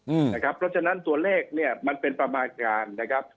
เพราะฉะนั้นตัวเลขเนี่ยมันเป็นประมาณการนะครับ